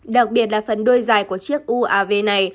đặc biệt là phần đuôi dài của chiếc uav này